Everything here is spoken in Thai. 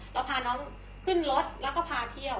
เราพาน้องขึ้นรถแล้วก็พาเที่ยว